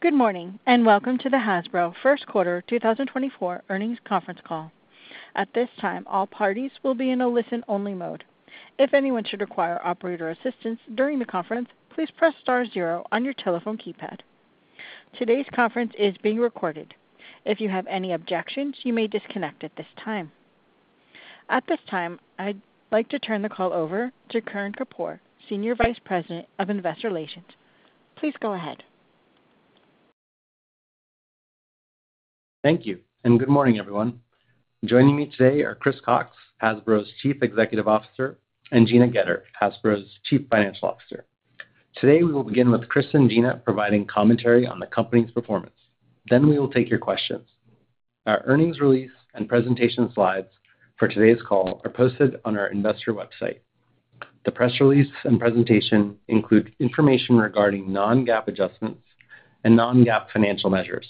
Good morning and welcome to the Hasbro first quarter 2024 earnings conference call. At this time, all parties will be in a listen-only mode. If anyone should require operator assistance during the conference, please press star zero on your telephone keypad. Today's conference is being recorded. If you have any objections, you may disconnect at this time. At this time, I'd like to turn the call over to Kern Kapoor, Senior Vice President of Investor Relations. Please go ahead. Thank you, and good morning, everyone. Joining me today are Chris Cocks, Hasbro's Chief Executive Officer, and Gina Goetter, Hasbro's Chief Financial Officer. Today we will begin with Chris and Gina providing commentary on the company's performance, then we will take your questions. Our earnings release and presentation slides for today's call are posted on our investor website. The press release and presentation include information regarding non-GAAP adjustments and non-GAAP financial measures.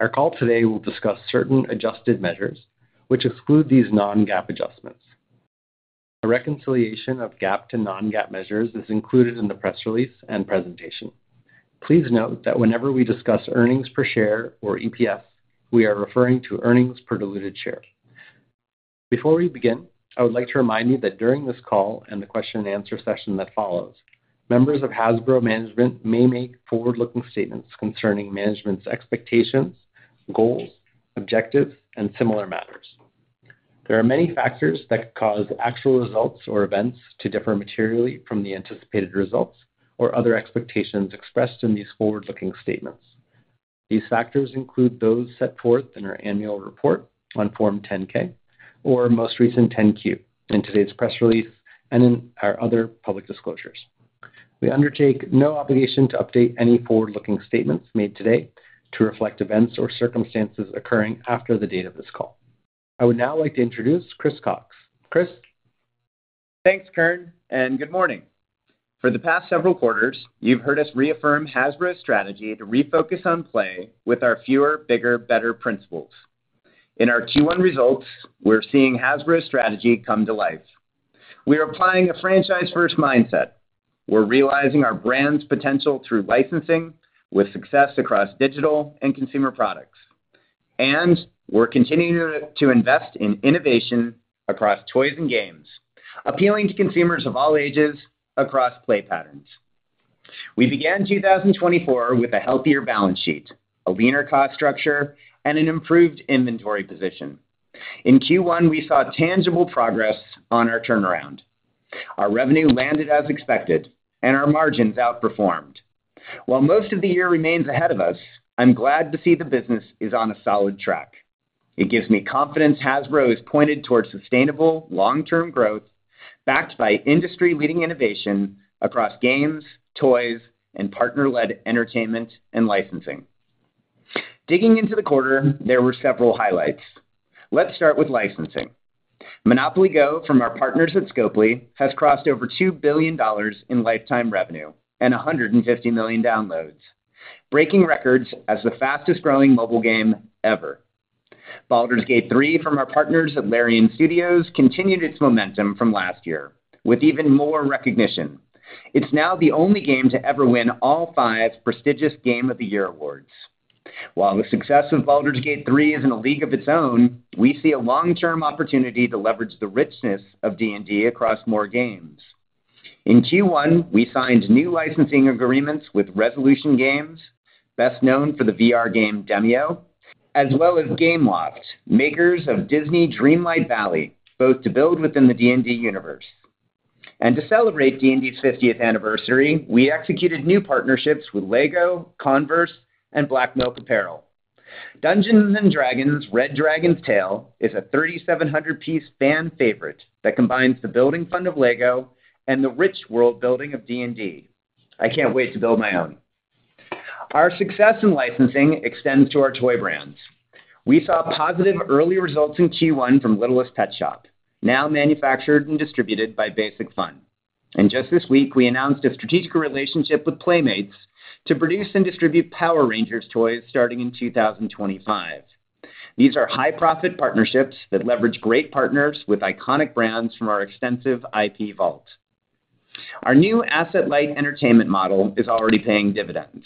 Our call today will discuss certain adjusted measures, which exclude these non-GAAP adjustments. A reconciliation of GAAP to non-GAAP measures is included in the press release and presentation. Please note that whenever we discuss earnings per share or EPS, we are referring to earnings per diluted share. Before we begin, I would like to remind you that during this call and the question-and-answer session that follows, members of Hasbro management may make forward-looking statements concerning management's expectations, goals, objectives, and similar matters. There are many factors that could cause actual results or events to differ materially from the anticipated results or other expectations expressed in these forward-looking statements. These factors include those set forth in our annual report on Form 10-K or most recent 10-Q in today's press release and in our other public disclosures. We undertake no obligation to update any forward-looking statements made today to reflect events or circumstances occurring after the date of this call. I would now like to introduce Chris Cocks. Chris? Thanks, Kern, and good morning. For the past several quarters, you've heard us reaffirm Hasbro's strategy to refocus on play with our fewer, bigger, better principles. In our Q1 results, we're seeing Hasbro's strategy come to life. We're applying a franchise-first mindset. We're realizing our brand's potential through licensing with success across digital and consumer products. And we're continuing to invest in innovation across toys and games, appealing to consumers of all ages across play patterns. We began 2024 with a healthier balance sheet, a leaner cost structure, and an improved inventory position. In Q1, we saw tangible progress on our turnaround. Our revenue landed as expected, and our margins outperformed. While most of the year remains ahead of us, I'm glad to see the business is on a solid track. It gives me confidence Hasbro is pointed toward sustainable, long-term growth backed by industry-leading innovation across games, toys, and partner-led entertainment and licensing. Digging into the quarter, there were several highlights. Let's start with licensing. Monopoly Go!, from our partners at Scopely, has crossed over $2 billion in lifetime revenue and 150 million downloads, breaking records as the fastest-growing mobile game ever. Baldur's Gate 3, from our partners at Larian Studios, continued its momentum from last year with even more recognition. It's now the only game to ever win all five prestigious Game of the Year awards. While the success of Baldur's Gate 3 is in a league of its own, we see a long-term opportunity to leverage the richness of D&D across more games. In Q1, we signed new licensing agreements with Resolution Games, best known for the VR game Demeo, as well as Gameloft, makers of Disney Dreamlight Valley, both to build within the D&D universe. To celebrate D&D's 50th anniversary, we executed new partnerships with LEGO, Converse, and BlackMilk Apparel. Dungeons & Dragons: Red Dragon's Tale is a 3,700-piece fan favorite that combines the building fun of LEGO and the rich world-building of D&D. I can't wait to build my own. Our success in licensing extends to our toy brands. We saw positive early results in Q1 from Littlest Pet Shop, now manufactured and distributed by Basic Fun. Just this week, we announced a strategic relationship with Playmates to produce and distribute Power Rangers toys starting in 2025. These are high-profit partnerships that leverage great partners with iconic brands from our extensive IP vault. Our new asset-light entertainment model is already paying dividends.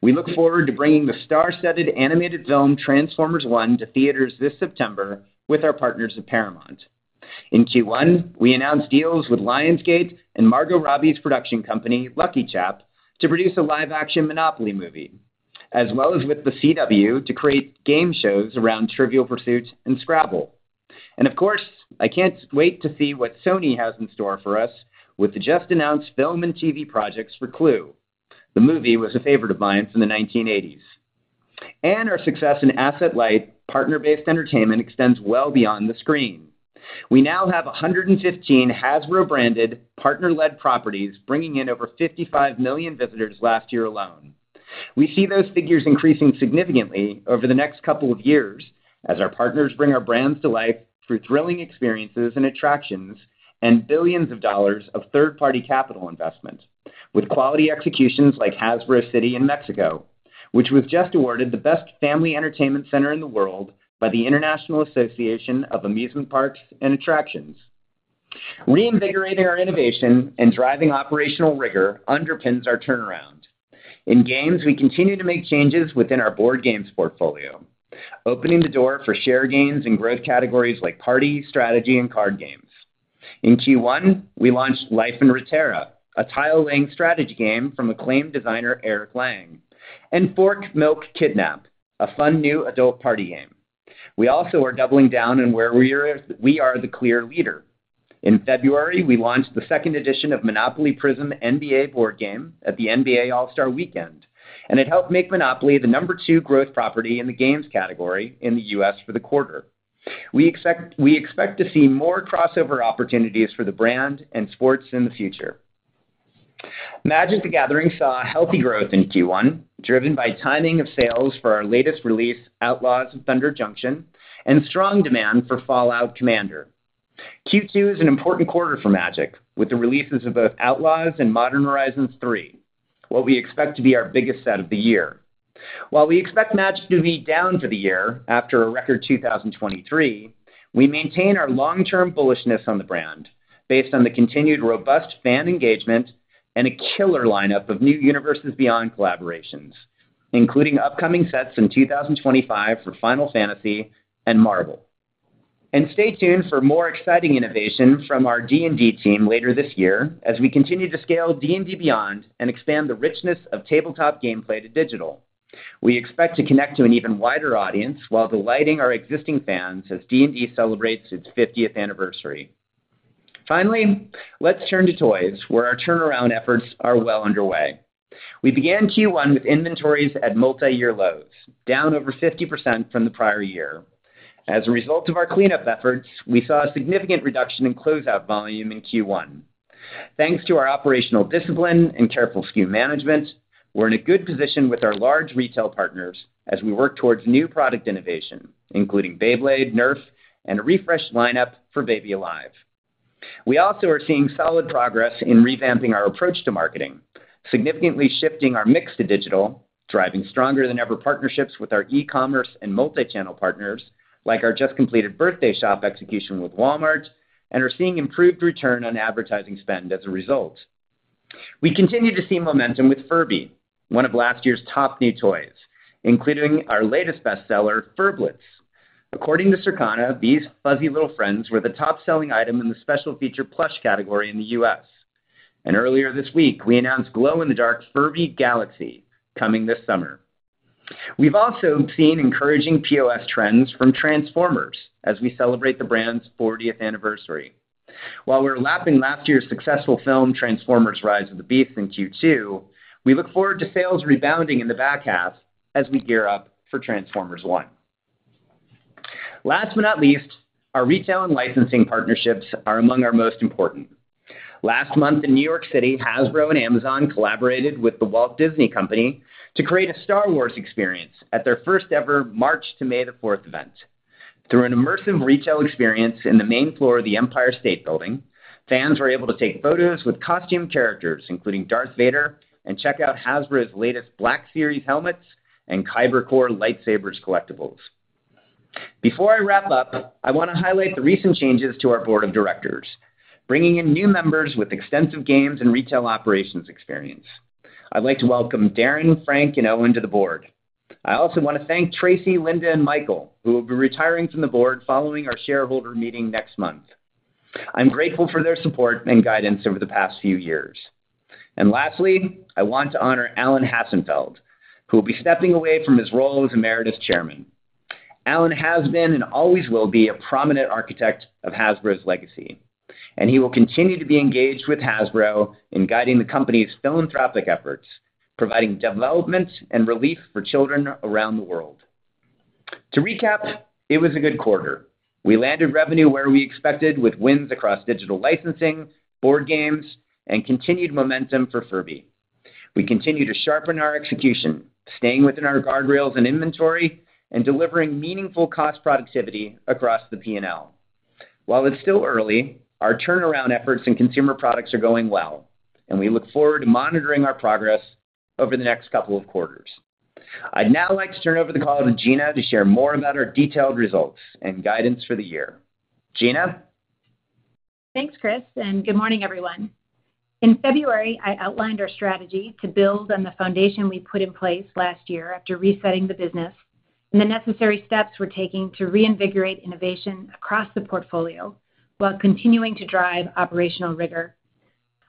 We look forward to bringing the star-studded animated film Transformers One to theaters this September with our partners at Paramount. In Q1, we announced deals with Lionsgate and Margot Robbie's production company, LuckyChap, to produce a live-action Monopoly movie, as well as with The CW to create game shows around Trivial Pursuit and Scrabble. And of course, I can't wait to see what Sony has in store for us with the just-announced film and TV projects for Clue. The movie was a favorite of mine from the 1980s. And our success in asset-light partner-based entertainment extends well beyond the screen. We now have 115 Hasbro-branded, partner-led properties bringing in over 55 million visitors last year alone. We see those figures increasing significantly over the next couple of years as our partners bring our brands to life through thrilling experiences and attractions and billions of dollars of third-party capital investment with quality executions like Hasbro City in Mexico, which was just awarded the best family entertainment center in the world by the International Association of Amusement Parks and Attractions. Reinvigorating our innovation and driving operational rigor underpins our turnaround. In games, we continue to make changes within our board games portfolio, opening the door for share gains in growth categories like party, strategy, and card games. In Q1, we launched Life in Reterra, a tile-laying strategy game from acclaimed designer Eric Lang, and Fork Milk Kidnap, a fun new adult party game. We also are doubling down on where we are the clear leader. In February, we launched the second edition of Monopoly Prizm NBA board game at the NBA All-Star Weekend, and it helped make Monopoly the number two growth property in the games category in the U.S. for the quarter. We expect to see more crossover opportunities for the brand and sports in the future. Magic: The Gathering saw healthy growth in Q1, driven by timing of sales for our latest release, Outlaws of Thunder Junction, and strong demand for Fallout: Commander. Q2 is an important quarter for Magic with the releases of both Outlaws and Modern Horizons 3, what we expect to be our biggest set of the year. While we expect Magic to be down for the year after a record 2023, we maintain our long-term bullishness on the brand based on the continued robust fan engagement and a killer lineup of new Universes Beyond collaborations, including upcoming sets in 2025 for Final Fantasy and Marvel and stay tuned for more exciting innovation from our D&D team later this year as we continue to scale D&D Beyond and expand the richness of tabletop gameplay to digital. We expect to connect to an even wider audience while delighting our existing fans as D&D celebrates its 50th anniversary. Finally, let's turn to toys, where our turnaround efforts are well underway. We began Q1 with inventories at multi-year lows, down over 50% from the prior year. As a result of our cleanup efforts, we saw a significant reduction in closeout volume in Q1. Thanks to our operational discipline and careful SKU management, we're in a good position with our large retail partners as we work towards new product innovation, including Beyblade, Nerf, and a refreshed lineup for Baby Alive. We also are seeing solid progress in revamping our approach to marketing, significantly shifting our mix to digital, driving stronger-than-ever partnerships with our e-commerce and multi-channel partners like our just-completed birthday shop execution with Walmart, and are seeing improved return on advertising spend as a result. We continue to see momentum with Furby, one of last year's top new toys, including our latest bestseller, Furblets. According to Circana, these fuzzy little friends were the top-selling item in the special-feature plush category in the U.S. and earlier this week, we announced glow-in-the-dark Furby Galaxy coming this summer. We've also seen encouraging POS trends from Transformers as we celebrate the brand's 40th anniversary. While we're lapping last year's successful film Transformers: Rise of the Beasts in Q2, we look forward to sales rebounding in the back half as we gear up for Transformers One. Last but not least, our retail and licensing partnerships are among our most important. Last month, in New York City, Hasbro and Amazon collaborated with The Walt Disney Company to create a Star Wars experience at their first-ever March to May the 4th event. Through an immersive retail experience in the main floor of the Empire State Building, fans were able to take photos with costume characters, including Darth Vader, and check out Hasbro's latest Black Series helmets and Kyber Core lightsaber collectibles. Before I wrap up, I want to highlight the recent changes to our board of directors, bringing in new members with extensive games and retail operations experience. I'd like to welcome Darin, Frank and Owen to the board. I also want to thank Tracy, Linda, and Michael, who will be retiring from the board following our shareholder meeting next month. I'm grateful for their support and guidance over the past few years. Lastly, I want to honor Alan Hassenfeld, who will be stepping away from his role as Emeritus Chairman. Alan has been and always will be a prominent architect of Hasbro's legacy, and he will continue to be engaged with Hasbro in guiding the company's philanthropic efforts, providing development and relief for children around the world. To recap, it was a good quarter. We landed revenue where we expected with wins across digital licensing, board games, and continued momentum for Furby. We continue to sharpen our execution, staying within our guardrails and inventory, and delivering meaningful cost productivity across the P&L. While it's still early, our turnaround efforts in consumer products are going well, and we look forward to monitoring our progress over the next couple of quarters. I'd now like to turn over the call to Gina to share more about our detailed results and guidance for the year. Gina? Thanks, Chris, and good morning, everyone. In February, I outlined our strategy to build on the foundation we put in place last year after resetting the business and the necessary steps we're taking to reinvigorate innovation across the portfolio while continuing to drive operational rigor.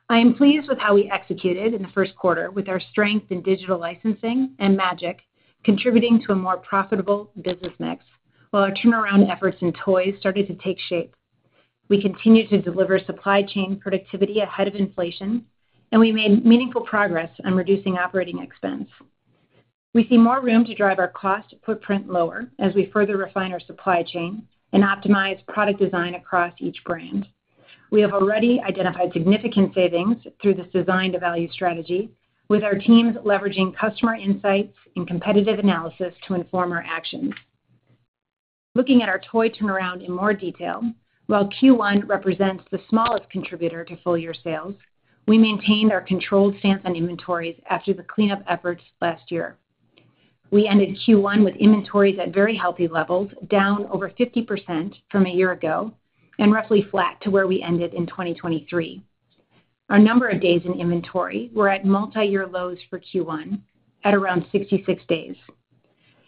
I am pleased with how we executed in the first quarter, with our strength in digital licensing and Magic contributing to a more profitable business mix while our turnaround efforts in toys started to take shape. We continue to deliver supply chain productivity ahead of inflation, and we made meaningful progress on reducing operating expense. We see more room to drive our cost footprint lower as we further refine our supply chain and optimize product design across each brand. We have already identified significant savings through this design-to-value strategy, with our teams leveraging customer insights and competitive analysis to inform our actions. Looking at our toy turnaround in more detail, while Q1 represents the smallest contributor to full-year sales, we maintained our controlled stance on inventories after the cleanup efforts last year. We ended Q1 with inventories at very healthy levels, down over 50% from a year ago and roughly flat to where we ended in 2023. Our number of days in inventory were at multi-year lows for Q1, at around 66 days.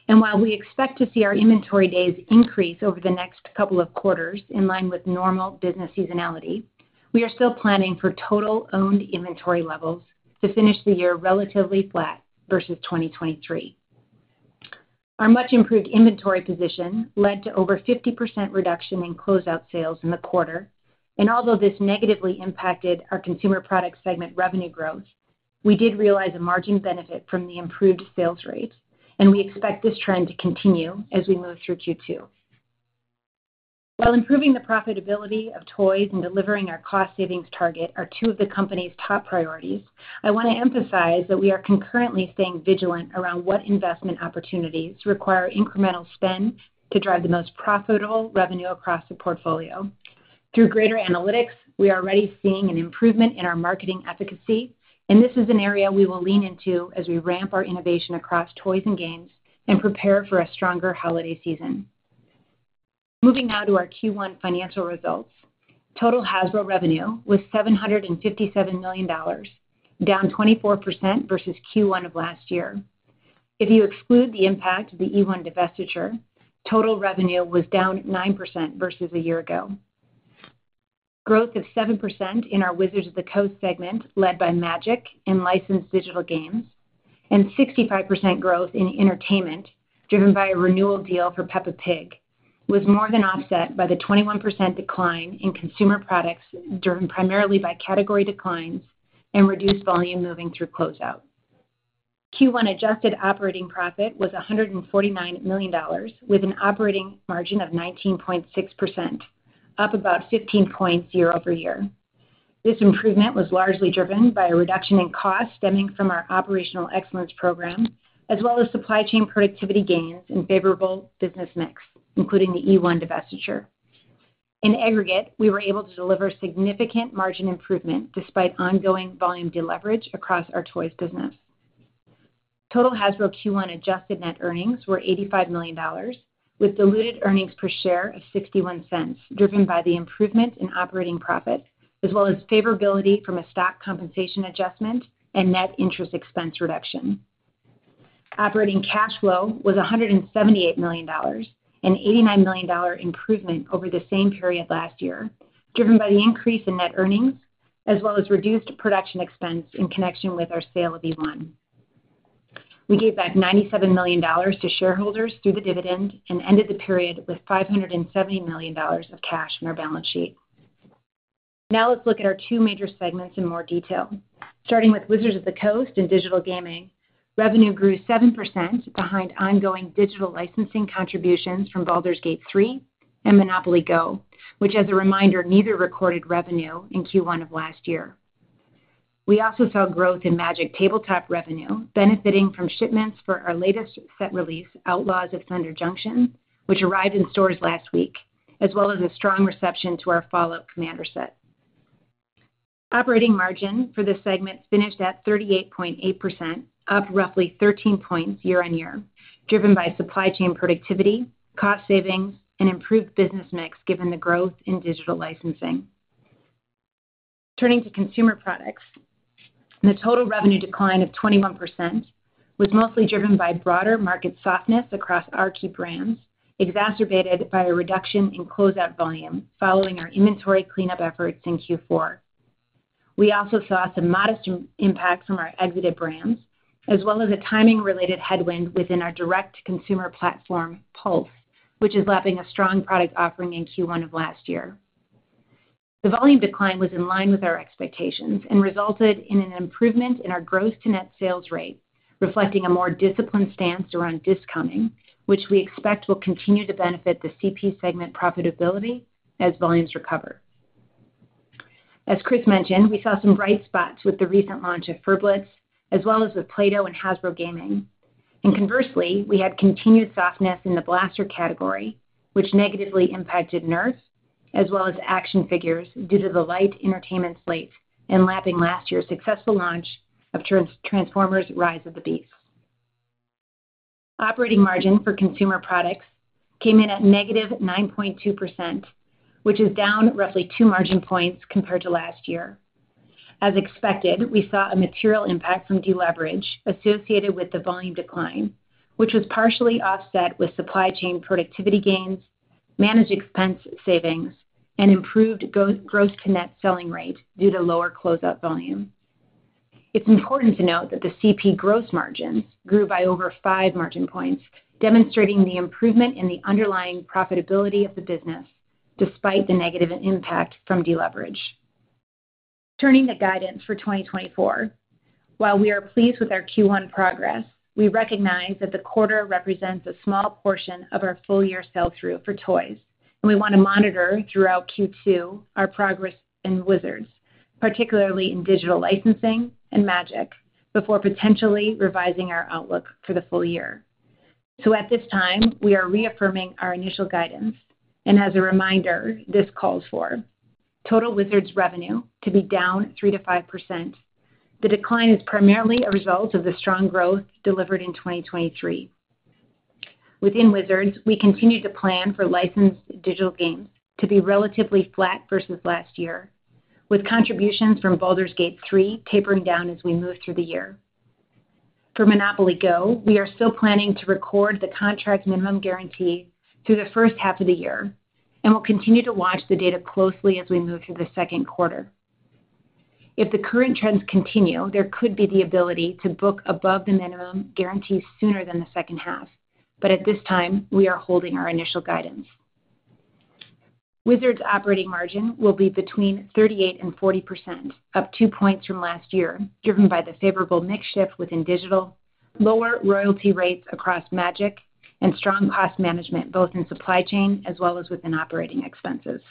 While we expect to see our inventory days increase over the next couple of quarters in line with normal business seasonality, we are still planning for total owned inventory levels to finish the year relatively flat versus 2023. Our much-improved inventory position led to over 50% reduction in closeout sales in the quarter. Although this negatively impacted our consumer product segment revenue growth, we did realize a margin benefit from the improved sales rates, and we expect this trend to continue as we move through Q2. While improving the profitability of toys and delivering our cost savings target are two of the company's top priorities, I want to emphasize that we are concurrently staying vigilant around what investment opportunities require incremental spend to drive the most profitable revenue across the portfolio. Through greater analytics, we are already seeing an improvement in our marketing efficacy, and this is an area we will lean into as we ramp our innovation across toys and games and prepare for a stronger holiday season. Moving now to our Q1 financial results, total Hasbro revenue was $757 million, down 24% versus Q1 of last year. If you exclude the impact of the eOne divestiture, total revenue was down 9% versus a year ago. Growth of 7% in our Wizards of the Coast segment led by Magic and licensed digital games, and 65% growth in entertainment driven by a renewal deal for Peppa Pig, was more than offset by the 21% decline in consumer products driven primarily by category declines and reduced volume moving through closeout. Q1 adjusted operating profit was $149 million, with an operating margin of 19.6%, up about 15.0% over year. This improvement was largely driven by a reduction in costs stemming from our operational excellence program, as well as supply chain productivity gains and favorable business mix, including the eOne divestiture. In aggregate, we were able to deliver significant margin improvement despite ongoing volume deleverage across our toys business. Total Hasbro Q1 adjusted net earnings were $85 million, with diluted earnings per share of $0.61 driven by the improvement in operating profit, as well as favorability from a stock compensation adjustment and net interest expense reduction. Operating cash flow was $178 million, an $89 million improvement over the same period last year, driven by the increase in net earnings, as well as reduced production expense in connection with our sale of eOne. We gave back $97 million to shareholders through the dividend and ended the period with $570 million of cash on our balance sheet. Now let's look at our two major segments in more detail. Starting with Wizards of the Coast and digital gaming, revenue grew 7% behind ongoing digital licensing contributions from Baldur's Gate 3 and Monopoly Go! which, as a reminder, neither recorded revenue in Q1 of last year. We also saw growth in Magic tabletop revenue, benefiting from shipments for our latest set release, Outlaws of Thunder Junction, which arrived in stores last week, as well as a strong reception to our Fallout: Commander set. Operating margin for this segment finished at 38.8%, up roughly 13 points year-over-year, driven by supply chain productivity, cost savings, and improved business mix given the growth in digital licensing. Turning to Consumer Products, the total revenue decline of 21% was mostly driven by broader market softness across our key brands, exacerbated by a reduction in closeout volume following our inventory cleanup efforts in Q4. We also saw some modest impact from our exited brands, as well as a timing-related headwind within our direct consumer platform, Pulse, which is lapping a strong product offering in Q1 of last year. The volume decline was in line with our expectations and resulted in an improvement in our gross-to-net sales rate, reflecting a more disciplined stance around discounting, which we expect will continue to benefit the CP segment profitability as volumes recover. As Chris mentioned, we saw some bright spots with the recent launch of Furblets, as well as with Play-Doh and Hasbro Gaming. And conversely, we had continued softness in the blaster category, which negatively impacted Nerf, as well as action figures due to the light entertainment slate and lapping last year's successful launch of Transformers: Rise of the Beasts. Operating margin for Consumer Products came in at -9.2%, which is down roughly two margin points compared to last year. As expected, we saw a material impact from deleverage associated with the volume decline, which was partially offset with supply chain productivity gains, managed expense savings, and improved gross-to-net selling rate due to lower closeout volume. It's important to note that the CP gross margins grew by over five margin points, demonstrating the improvement in the underlying profitability of the business despite the negative impact from deleverage. Turning to guidance for 2024, while we are pleased with our Q1 progress, we recognize that the quarter represents a small portion of our full-year sell-through for toys, and we want to monitor throughout Q2 our progress in Wizards, particularly in digital licensing and Magic, before potentially revising our outlook for the full year. So at this time, we are reaffirming our initial guidance. And as a reminder, this calls for total Wizards revenue to be down 3%-5%. The decline is primarily a result of the strong growth delivered in 2023. Within Wizards, we continue to plan for licensed digital games to be relatively flat versus last year, with contributions from Baldur's Gate 3 tapering down as we move through the year. For Monopoly Go!, we are still planning to record the contract minimum guarantee through the first half of the year and will continue to watch the data closely as we move through the second quarter. If the current trends continue, there could be the ability to book above the minimum guarantee sooner than the second half. But at this time, we are holding our initial guidance. Wizards' operating margin will be between 38% and 40%, up two points from last year, driven by the favorable mix shift within digital, lower royalty rates across Magic, and strong cost management both in supply chain as well as within operating expenses.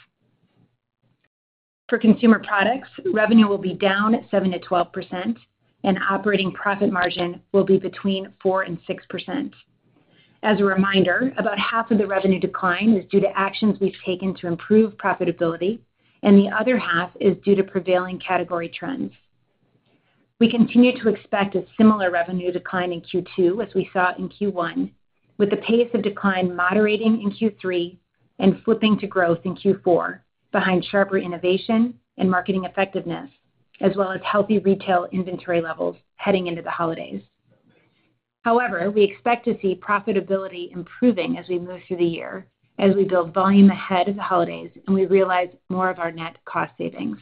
For consumer products, revenue will be down 7%-12%, and operating profit margin will be between 4% and 6%. As a reminder, about half of the revenue decline is due to actions we've taken to improve profitability, and the other half is due to prevailing category trends. We continue to expect a similar revenue decline in Q2 as we saw in Q1, with the pace of decline moderating in Q3 and flipping to growth in Q4 behind sharper innovation and marketing effectiveness, as well as healthy retail inventory levels heading into the holidays. However, we expect to see profitability improving as we move through the year, as we build volume ahead of the holidays and we realize more of our net cost savings.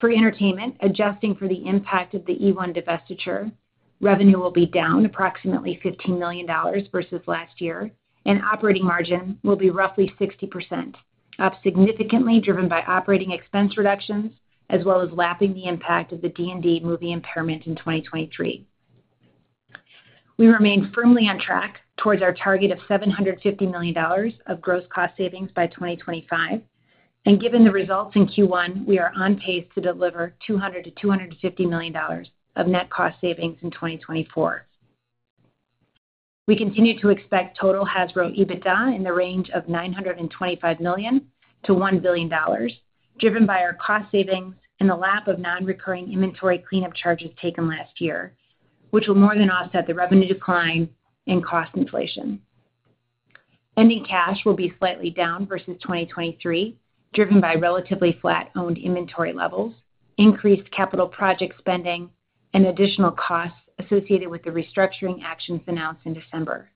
For entertainment, adjusting for the impact of the eOne divestiture, revenue will be down approximately $15 million versus last year, and operating margin will be roughly 60%, up significantly driven by operating expense reductions as well as lapping the impact of the D&D movie impairment in 2023. We remain firmly on track towards our target of $750 million of gross cost savings by 2025. And given the results in Q1, we are on pace to deliver $200 million-$250 million of net cost savings in 2024. We continue to expect total Hasbro EBITDA in the range of $925 million-$1 billion, driven by our cost savings and the lap of non-recurring inventory cleanup charges taken last year, which will more than offset the revenue decline and cost inflation. Ending cash will be slightly down versus 2023, driven by relatively flat owned inventory levels, increased capital project spending, and additional costs associated with the restructuring actions announced in December.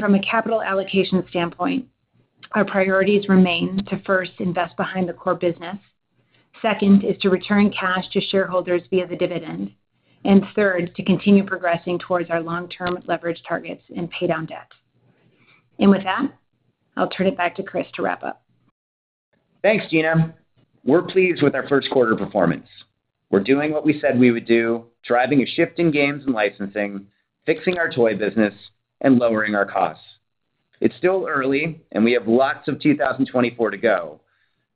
From a capital allocation standpoint, our priorities remain to first invest behind the core business, second is to return cash to shareholders via the dividend, and third to continue progressing towards our long-term leverage targets and pay down debt. With that, I'll turn it back to Chris to wrap up. Thanks, Gina. We're pleased with our first quarter performance. We're doing what we said we would do, driving a shift in games and licensing, fixing our toy business, and lowering our costs. It's still early, and we have lots of 2024 to go.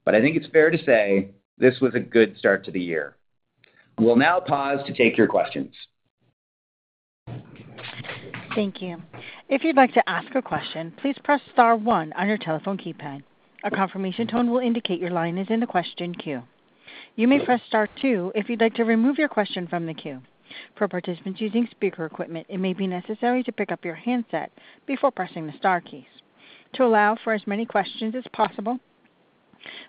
But I think it's fair to say this was a good start to the year. We'll now pause to take your questions. Thank you. If you'd like to ask a question, please press star one on your telephone keypad. A confirmation tone will indicate your line is in the question queue. You may press star two if you'd like to remove your question from the queue. For participants using speaker equipment, it may be necessary to pick up your handset before pressing the star keys. To allow for as many questions as possible,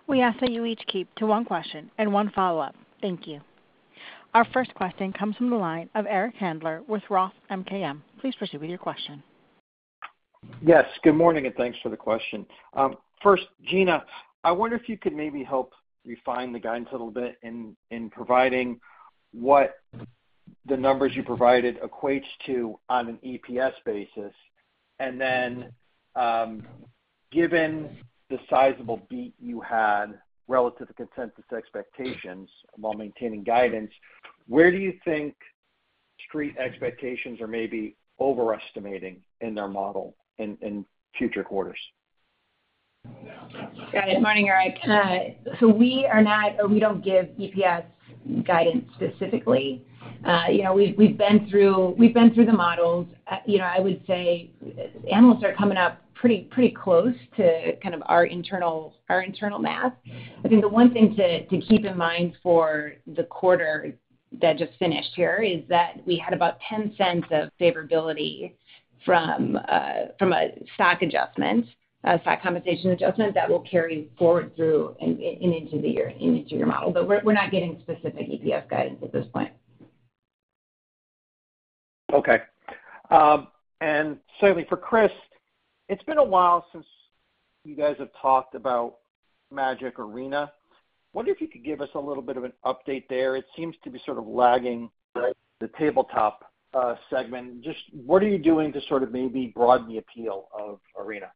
we ask that you each keep to one question and one follow-up. Thank you. Our first question comes from the line of Eric Handler with Roth MKM. Please proceed with your question. Yes. Good morning, and thanks for the question. First, Gina, I wonder if you could maybe help refine the guidance a little bit in providing what the numbers you provided equate to on an EPS basis. Then given the sizable beat you had relative to consensus expectations while maintaining guidance, where do you think street expectations are maybe overestimating in their model in future quarters? Good morning, Eric. So we are not or we don't give EPS guidance specifically. We've been through the models. I would say analysts are coming up pretty close to kind of our internal math. I think the one thing to keep in mind for the quarter that just finished here is that we had about $0.10 of favorability from a stock adjustment, a stock compensation adjustment that will carry forward through and into the year into your model. But we're not getting specific EPS guidance at this point. Okay. Certainly. For Chris, it's been a while since you guys have talked about Magic Arena. I wonder if you could give us a little bit of an update there. It seems to be sort of lagging the tabletop segment. Just what are you doing to sort of maybe broaden the appeal of Arena?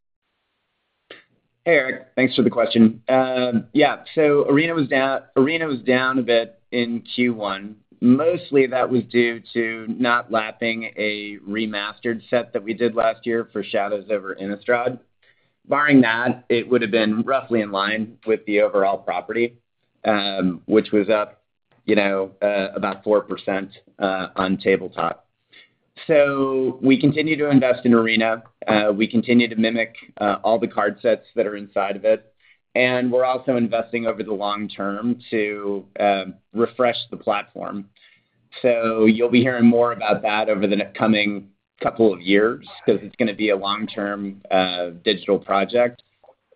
Eric, thanks for the question. Yeah. So Arena was down a bit in Q1. Mostly, that was due to not lapping a remastered set that we did last year for Shadows over Innistrad. Barring that, it would have been roughly in line with the overall property, which was up about 4% on tabletop. So we continue to invest in Arena. We continue to mimic all the card sets that are inside of it. And we're also investing over the long term to refresh the platform. So you'll be hearing more about that over the coming couple of years because it's going to be a long-term digital project.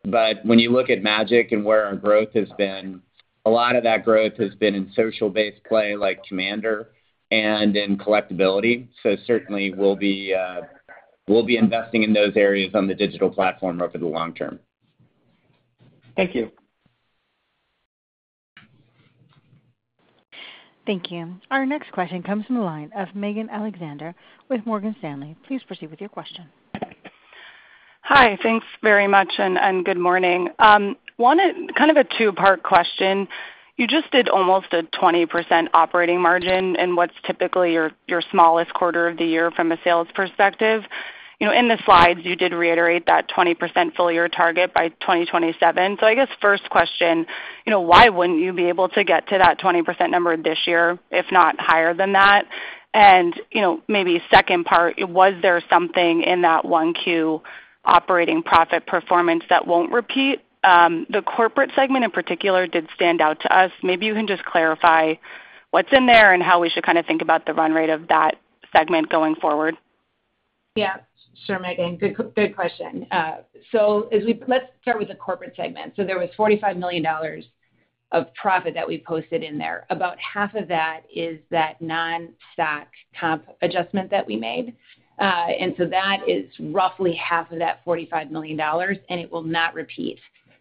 But when you look at Magic and where our growth has been, a lot of that growth has been in social-based play like Commander and in collectability. So certainly, we'll be investing in those areas on the digital platform over the long term. Thank you. Thank you. Our next question comes from the line of Megan Alexander with Morgan Stanley. Please proceed with your question. Hi. Thanks very much and good morning. Kind of a two-part question. You just did almost a 20% operating margin in what's typically your smallest quarter of the year from a sales perspective. In the slides, you did reiterate that 20% full-year target by 2027. So I guess first question, why wouldn't you be able to get to that 20% number this year, if not higher than that? And maybe second part, was there something in that Q1 operating profit performance that won't repeat? The corporate segment in particular did stand out to us. Maybe you can just clarify what's in there and how we should kind of think about the run rate of that segment going forward. Yeah, sure, Megan. Good question. So let's start with the corporate segment. So there was $45 million of profit that we posted in there. About half of that is that non-stock comp adjustment that we made. And so that is roughly half of that $45 million, and it will not repeat.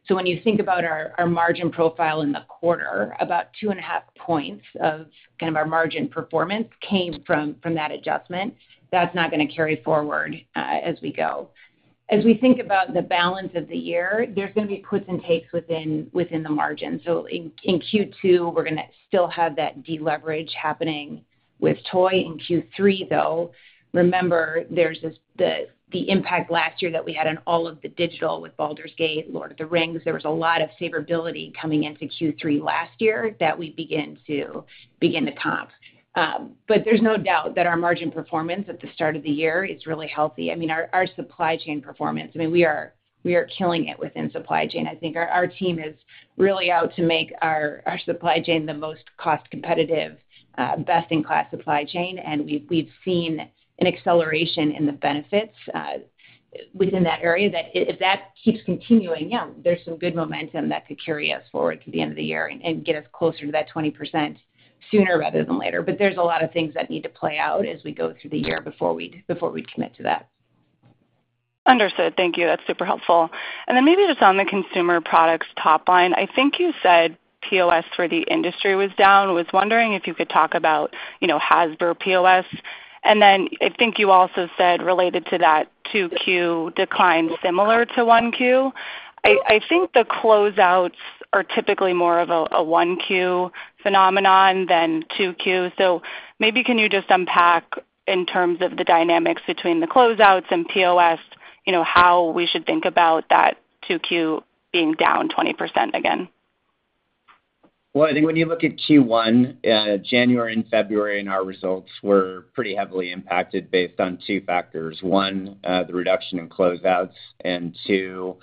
So when you think about our margin profile in the quarter, about two and a half points of kind of our margin performance came from that adjustment. That's not going to carry forward as we go. As we think about the balance of the year, there's going to be puts and takes within the margin. So in Q2, we're going to still have that deleverage happening with toy. In Q3, though, remember, there's the impact last year that we had on all of the digital with Baldur's Gate, Lord of the Rings. There was a lot of favorability coming into Q3 last year that we began to comp. But there's no doubt that our margin performance at the start of the year is really healthy. I mean, our supply chain performance I mean, we are killing it within supply chain. I think our team is really out to make our supply chain the most cost-competitive, best-in-class supply chain. And we've seen an acceleration in the benefits within that area that if that keeps continuing, yeah, there's some good momentum that could carry us forward to the end of the year and get us closer to that 20% sooner rather than later. But there's a lot of things that need to play out as we go through the year before we'd commit to that. Understood. Thank you. That's super helpful. Then maybe just on the consumer products top line, I think you said POS for the industry was down. I was wondering if you could talk about Hasbro POS. Then I think you also said related to that, Q2 decline similar to Q1. I think the closeouts are typically more of a Q1 phenomenon than Q2. So maybe can you just unpack in terms of the dynamics between the closeouts and POS how we should think about that Q2 being down 20% again? Well, I think when you look at Q1, January and February in our results were pretty heavily impacted based on two factors. One, the reduction in closeouts. And two,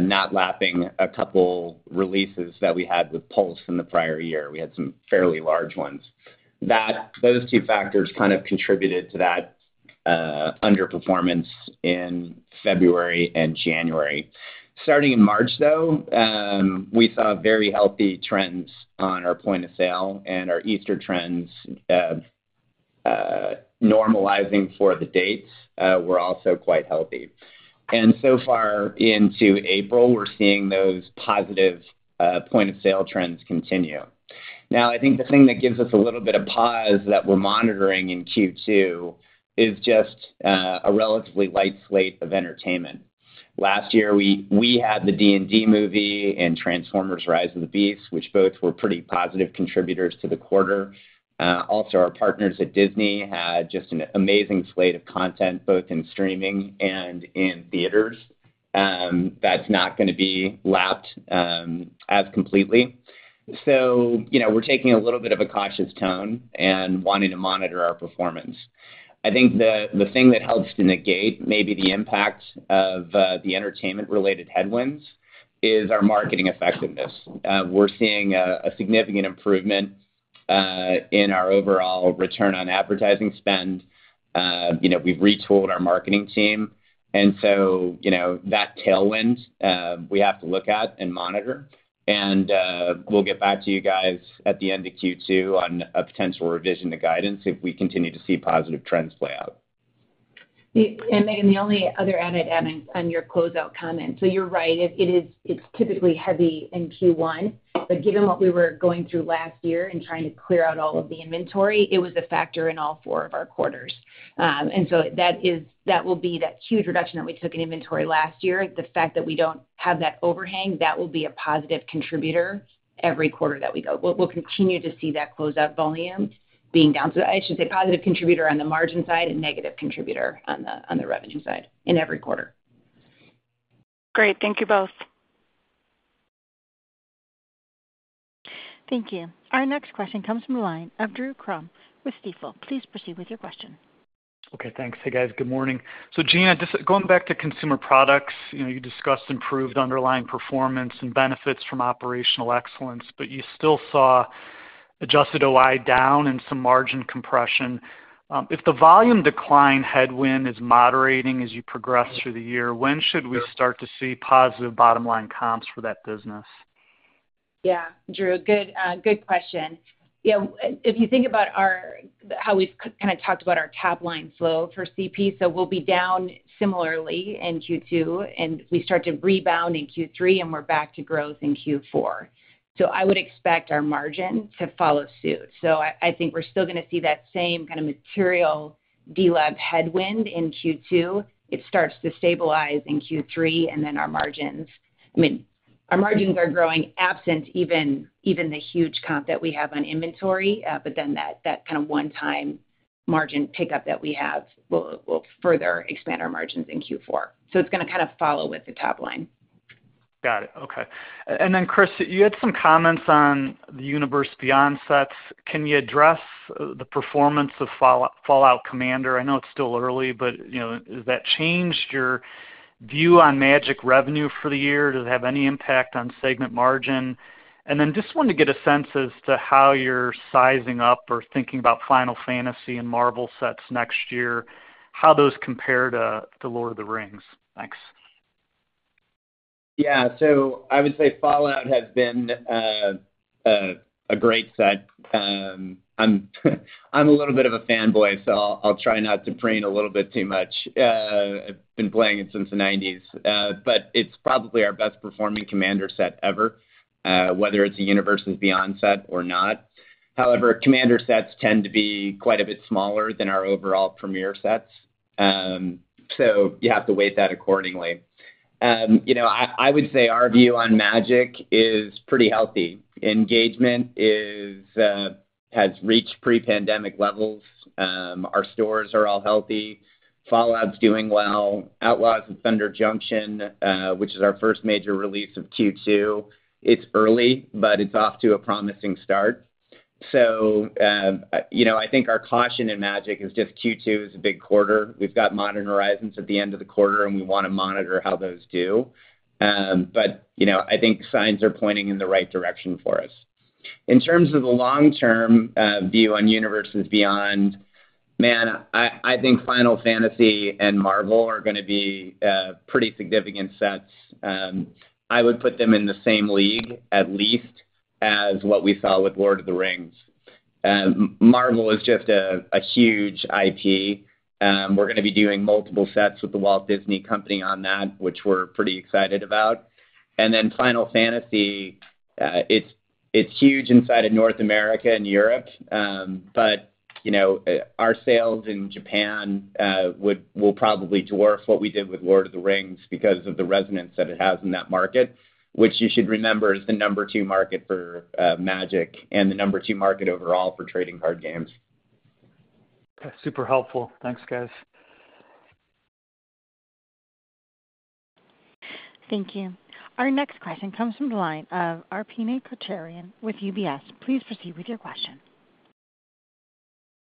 not lapping a couple releases that we had with Pulse in the prior year. We had some fairly large ones. Those two factors kind of contributed to that underperformance in February and January. Starting in March, though, we saw very healthy trends on our point of sale and our Easter trends normalizing for the dates were also quite healthy. And so far into April, we're seeing those positive point-of-sale trends continue. Now, I think the thing that gives us a little bit of pause that we're monitoring in Q2 is just a relatively light slate of entertainment. Last year, we had the D&D movie and Transformers: Rise of the Beasts, which both were pretty positive contributors to the quarter. Also, our partners at Disney had just an amazing slate of content both in streaming and in theaters. That's not going to be lapped as completely. So we're taking a little bit of a cautious tone and wanting to monitor our performance. I think the thing that helps to negate maybe the impact of the entertainment-related headwinds is our marketing effectiveness. We're seeing a significant improvement in our overall return on advertising spend. We've retooled our marketing team. And so that tailwind, we have to look at and monitor. And we'll get back to you guys at the end of Q2 on a potential revision to guidance if we continue to see positive trends play out. Megan, the only other added on your closeout comment, so you're right. It's typically heavy in Q1. But given what we were going through last year and trying to clear out all of the inventory, it was a factor in all four of our quarters. And so that will be that huge reduction that we took in inventory last year. The fact that we don't have that overhang, that will be a positive contributor every quarter that we go. We'll continue to see that closeout volume being down. So I should say positive contributor on the margin side and negative contributor on the revenue side in every quarter. Great. Thank you both. Thank you. Our next question comes from the line of Drew Crum with Stifel. Please proceed with your question. Okay. Thanks, hey guys. Good morning. So Gina, just going back to consumer products, you discussed improved underlying performance and benefits from operational excellence. But you still saw adjusted OI down and some margin compression. If the volume decline headwind is moderating as you progress through the year, when should we start to see positive bottom-line comps for that business? Yeah, Drew. Good question. Yeah. If you think about how we've kind of talked about our top-line flow for CP, so we'll be down similarly in Q2. And we start to rebound in Q3, and we're back to growth in Q4. So I would expect our margin to follow suit. So I think we're still going to see that same kind of material de-lev headwind in Q2. It starts to stabilize in Q3, and then our margins, I mean, our margins are growing absent even the huge comp that we have on inventory. But then that kind of one-time margin pickup that we have will further expand our margins in Q4. So it's going to kind of follow with the top line. Got it. Okay. And then Chris, you had some comments on the Universes Beyond sets. Can you address the performance of Fallout: Commander? I know it's still early, but has that changed your view on Magic revenue for the year? Does it have any impact on segment margin? And then just wanted to get a sense as to how you're sizing up or thinking about Final Fantasy and Marvel sets next year, how those compare to Lord of the Rings. Thanks. Yeah. So I would say Fallout has been a great set. I'm a little bit of a fanboy, so I'll try not to preen a little bit too much. I've been playing it since the '90s. But it's probably our best-performing Commander set ever, whether it's a Universes Beyond set or not. However, Commander sets tend to be quite a bit smaller than our overall premiere sets. So you have to weigh that accordingly. I would say our view on Magic is pretty healthy. Engagement has reached pre-pandemic levels. Our stores are all healthy. Fallout's doing well. Outlaws of Thunder Junction, which is our first major release of Q2, it's early, but it's off to a promising start. So I think our caution in Magic is just Q2 is a big quarter. We've got Modern Horizons at the end of the quarter, and we want to monitor how those do. But I think signs are pointing in the right direction for us. In terms of the long-term view on Universes Beyond, man, I think Final Fantasy and Marvel are going to be pretty significant sets. I would put them in the same league, at least, as what we saw with Lord of the Rings. Marvel is just a huge IP. We're going to be doing multiple sets with The Walt Disney Company on that, which we're pretty excited about and then Final Fantasy, it's huge inside of North America and Europe. But our sales in Japan will probably dwarf what we did with Lord of the Rings because of the resonance that it has in that market, which you should remember is the number two market for Magic and the number two market overall for trading card games. Okay. Super helpful. Thanks, guys. Thank you. Our next question comes from the line of Arpine Kocharyan with UBS. Please proceed with your question.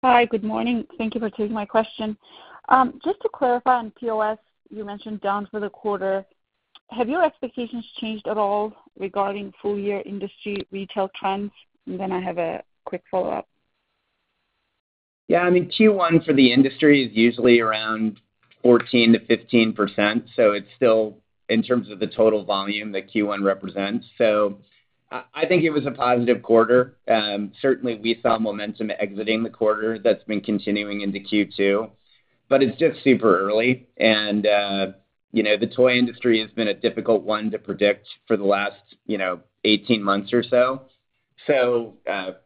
Hi. Good morning. Thank you for taking my question. Just to clarify on POS, you mentioned down for the quarter. Have your expectations changed at all regarding full-year industry retail trends? And then I have a quick follow-up. Yeah. I mean, Q1 for the industry is usually around 14%-15%. So it's still in terms of the total volume that Q1 represents. So I think it was a positive quarter. Certainly, we saw momentum exiting the quarter that's been continuing into Q2. But it's just super early. And the toy industry has been a difficult one to predict for the last 18 months or so. So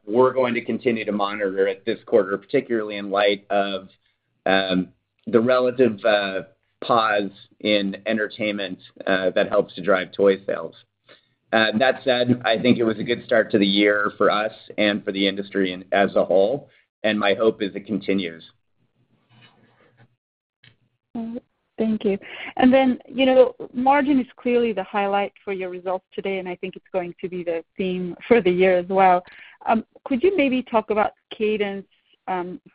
we're going to continue to monitor it this quarter, particularly in light of the relative pause in entertainment that helps to drive toy sales. That said, I think it was a good start to the year for us and for the industry as a whole and my hope is it continues. All right. Thank you. And then margin is clearly the highlight for your results today, and I think it's going to be the theme for the year as well. Could you maybe talk about cadence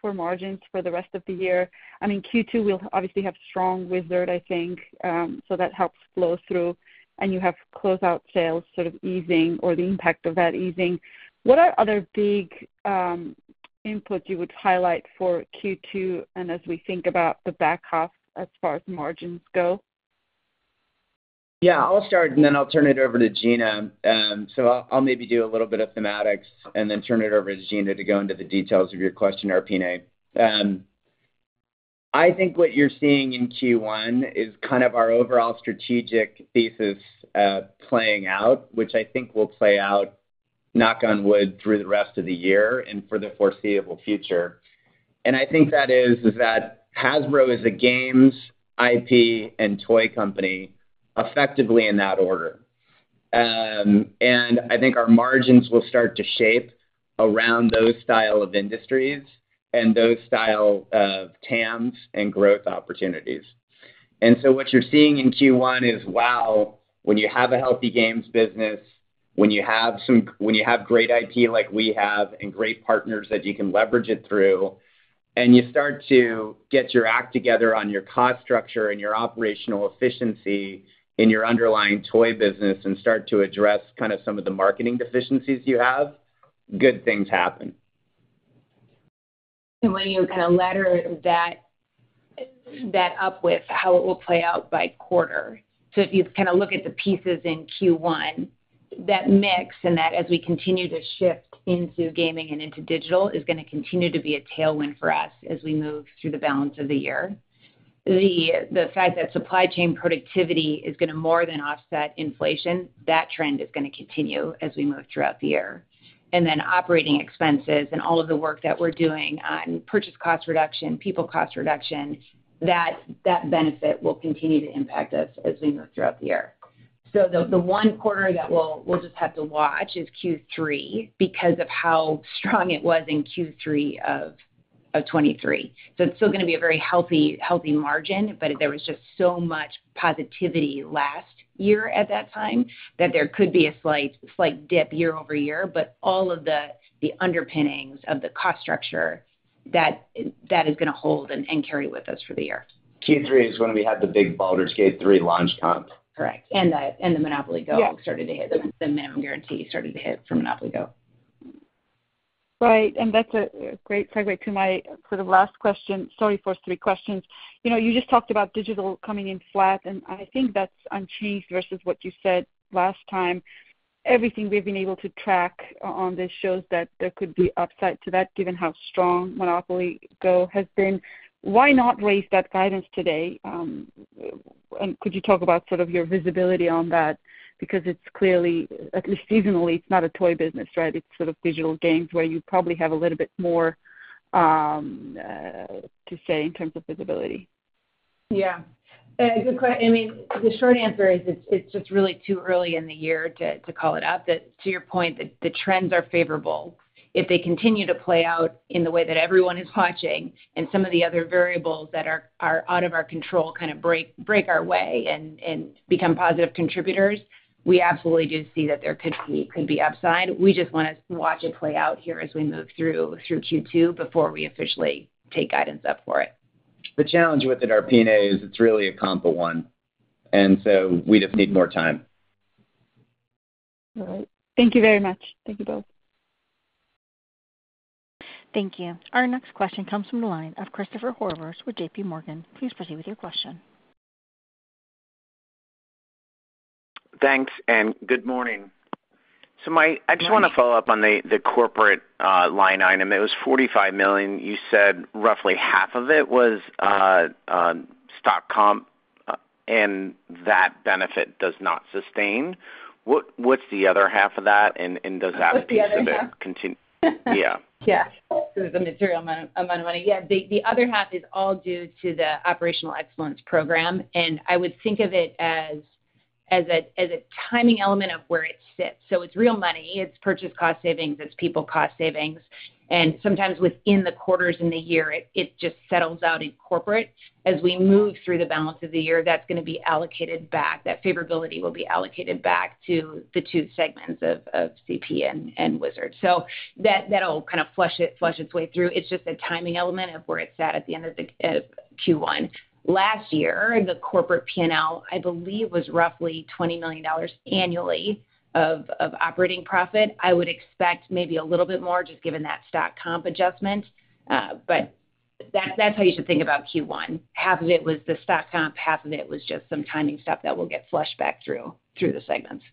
for margins for the rest of the year? I mean, Q2 will obviously have strong Wizards, I think. So that helps flow through. And you have closeout sales sort of easing or the impact of that easing. What are other big inputs you would highlight for Q2 and as we think about the back half as far as margins go? Yeah. I'll start, and then I'll turn it over to Gina. So I'll maybe do a little bit of thematics and then turn it over to Gina to go into the details of your question, Arpine. I think what you're seeing in Q1 is kind of our overall strategic thesis playing out, which I think will play out, knock on wood, through the rest of the year and for the foreseeable future and I think that is that Hasbro is a games IP and toy company effectively in that order. I think our margins will start to shape around those style of industries and those style of TAMs and growth opportunities. And so what you're seeing in Q1 is, wow, when you have a healthy games business, when you have great IP like we have and great partners that you can leverage it through, and you start to get your act together on your cost structure and your operational efficiency in your underlying toy business and start to address kind of some of the marketing deficiencies you have, good things happen. And when you kind of ladder that up with how it will play out by quarter, so if you kind of look at the pieces in Q1, that mix and that as we continue to shift into gaming and into digital is going to continue to be a tailwind for us as we move through the balance of the year. The fact that supply chain productivity is going to more than offset inflation, that trend is going to continue as we move throughout the year. And then operating expenses and all of the work that we're doing on purchase cost reduction, people cost reduction, that benefit will continue to impact us as we move throughout the year. So the one quarter that we'll just have to watch is Q3 because of how strong it was in Q3 of 2023. It's still going to be a very healthy margin, but there was just so much positivity last year at that time that there could be a slight dip year over year. But all of the underpinnings of the cost structure, that is going to hold and carry with us for the year. Q3 is when we had the big Baldur's Gate 3 launch comp. Correct. The Monopoly Go! started to hit the minimum guarantee for Monopoly Go! Right. And that's a great segue to my sort of last question sorry, for three questions. You just talked about digital coming in flat, and I think that's unchanged versus what you said last time. Everything we've been able to track on this shows that there could be upside to that given how strong Monopoly Go! has been. Why not raise that guidance today? And could you talk about sort of your visibility on that? Because it's clearly, at least seasonally, it's not a toy business, right? It's sort of digital games where you probably have a little bit more to say in terms of visibility. Yeah. I mean, the short answer is it's just really too early in the year to call it up. To your point, the trends are favorable if they continue to play out in the way that everyone is watching and some of the other variables that are out of our control kind of break our way and become positive contributors. We absolutely do see that there could be upside. We just want to watch it play out here as we move through Q2 before we officially take guidance up for it. The challenge with it, Arpine, is it's really a comp one. So we just need more time. All right. Thank you very much. Thank you both. Thank you. Our next question comes from the line of Christopher Horvers with JP Morgan. Please proceed with your question. Thanks. Good morning. I just want to follow up on the corporate line item. It was $45 million. You said roughly half of it was stock comp, and that benefit does not sustain. What's the other half of that, and does that sustain? What's the other half? In Q2. Yeah. Yeah. Because it's a material amount of money. Yeah. The other half is all due to the Operational Excellence program. And I would think of it as a timing element of where it sits. So it's real money. It's purchase cost savings. It's people cost savings. And sometimes within the quarters in the year, it just settles out in corporate. As we move through the balance of the year, that's going to be allocated back. That favorability will be allocated back to the two segments of CP and Wizards. So that'll kind of flush its way through. It's just a timing element of where it sat at the end of Q1. Last year, the corporate P&L, I believe, was roughly $20 million annually of operating profit. I would expect maybe a little bit more just given that stock comp adjustment. But that's how you should think about Q1. Half of it was the stock comp. Half of it was just some timing stuff that will get flushed back through the segments.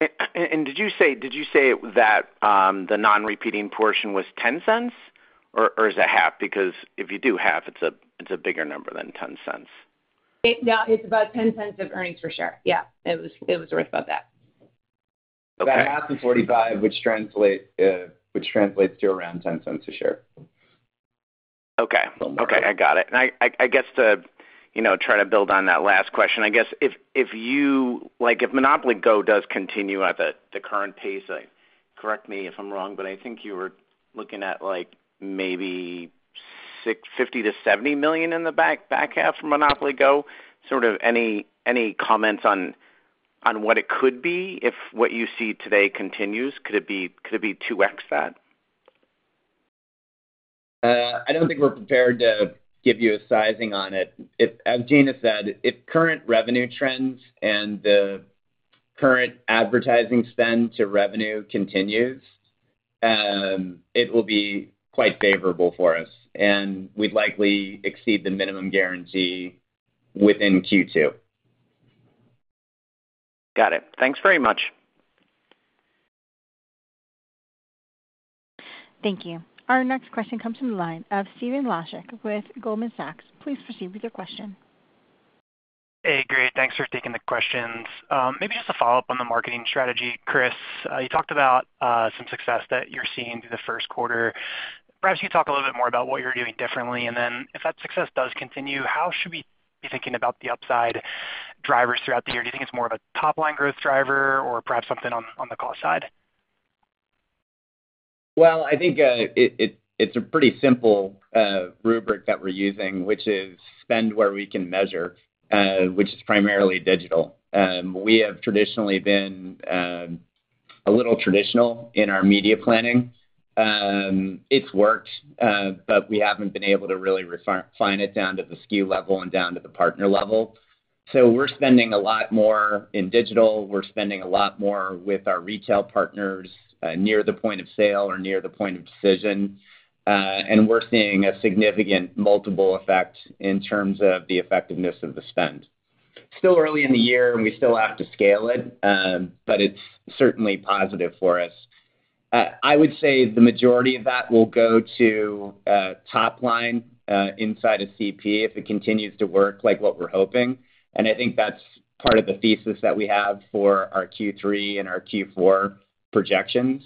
Did you say that the non-repeating portion was $0.10, or is it half? Because if you do half, it's a bigger number than $0.10. No, it's about $0.10 of earnings per share. Yeah. It was worth about that. That half of 45, which translates to around $0.10 a share. A little more. Okay. I got it. And I guess to try to build on that last question, I guess if Monopoly Go! does continue at the current pace correct me if I'm wrong, but I think you were looking at maybe $50 million-$70 million in the back half for Monopoly Go!. Sort of any comments on what it could be if what you see today continues? Could it be 2x that? I don't think we're prepared to give you a sizing on it. As Gina said, if current revenue trends and the current advertising spend to revenue continues, it will be quite favorable for us. And we'd likely exceed the minimum guarantee within Q2. Got it. Thanks very much. Thank you. Our next question comes from the line of Stephen Laszczyk with Goldman Sachs. Please proceed with your question. Hey. Great. Thanks for taking the questions. Maybe just a follow-up on the marketing strategy. Chris, you talked about some success that you're seeing through the first quarter. Perhaps you could talk a little bit more about what you're doing differently. And then if that success does continue, how should we be thinking about the upside drivers throughout the year? Do you think it's more of a top-line growth driver or perhaps something on the cost side? Well, I think it's a pretty simple rubric that we're using, which is spend where we can measure, which is primarily digital. We have traditionally been a little traditional in our media planning. It's worked, but we haven't been able to really refine it down to the SKU level and down to the partner level. So we're spending a lot more in digital. We're spending a lot more with our retail partners near the point of sale or near the point of decision. And we're seeing a significant multiple effect in terms of the effectiveness of the spend. Still early in the year, and we still have to scale it, but it's certainly positive for us. I would say the majority of that will go to topline inside of CP if it continues to work like what we're hoping. I think that's part of the thesis that we have for our Q3 and our Q4 projections.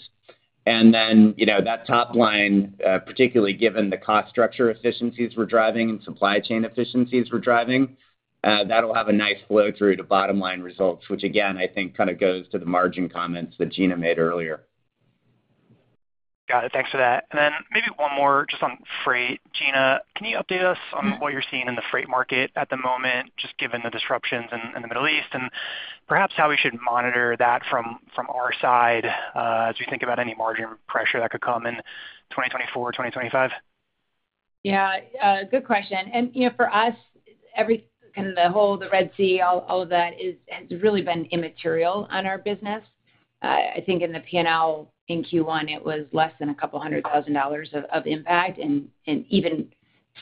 Then that top line, particularly given the cost structure efficiencies we're driving and supply chain efficiencies we're driving, that'll have a nice flow through to bottom-line results, which, again, I think kind of goes to the margin comments that Gina made earlier. Got it. Thanks for that. And then maybe one more just on freight. Gina, can you update us on what you're seeing in the freight market at the moment just given the disruptions in the Middle East and perhaps how we should monitor that from our side as we think about any margin pressure that could come in 2024, 2025? Yeah. Good question. For us, kind of the whole Red Sea, all of that has really been immaterial on our business. I think in the P&L in Q1, it was less than a couple of $100,000 of impact. Even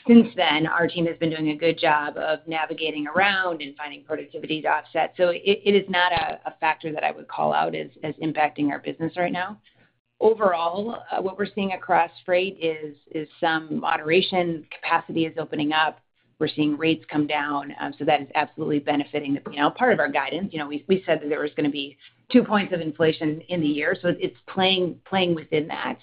since then, our team has been doing a good job of navigating around and finding productivity to offset. So it is not a factor that I would call out as impacting our business right now. Overall, what we're seeing across freight is some moderation. Capacity is opening up. We're seeing rates come down. So that is absolutely benefiting the P&L. Part of our guidance, we said that there was going to be two points of inflation in the year. So it's playing within that.